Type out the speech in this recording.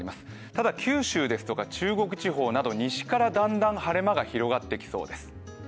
ただ、九州ですとか中国地方など西からだんだん晴れ間が広がってきそうです。